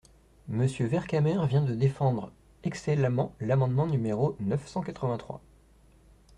Monsieur Vercamer vient de défendre excellemment l’amendement numéro neuf cent quatre-vingt-trois.